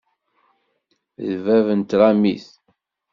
D bab n tṛamit.